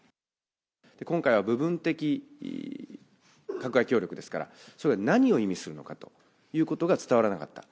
今回は部分的閣外協力ですから、それは何を意味するのかということが伝わらなかった。